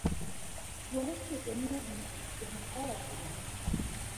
Luong osiepeni obika wachiem.